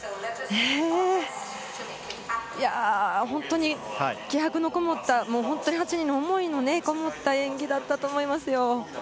本当に気迫のこもった８人の思いのこもった演技だったと思います。